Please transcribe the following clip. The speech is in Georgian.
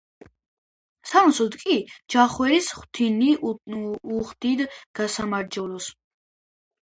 სანაცვლოდ კი ჩხავერის ღვინით უხდიდა გასამრჯელოს.